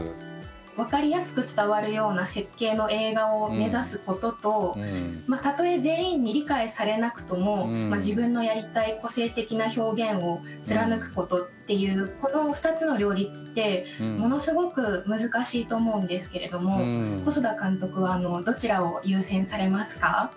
分かりやすく伝わるような設計の映画を目指すこととたとえ全員に理解されなくとも自分のやりたい個性的な表現を貫くことっていうこの２つの両立ってものすごく難しいと思うんですけれども細田監督はどちらを優先されますか？